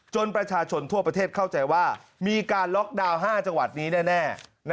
ประชาชนทั่วประเทศเข้าใจว่ามีการล็อกดาวน์๕จังหวัดนี้แน่